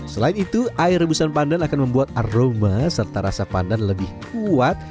selain itu air rebusan pandan akan membuat aroma serta rasa pandan lebih kuat